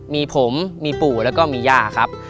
มีผมมีปู่แล้วก็มีย่าครับ